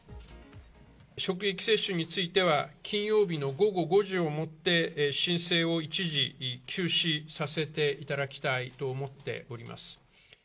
職域接種については、金曜日の午後５時をもって、申請を一時休止させていただきたいと思っております。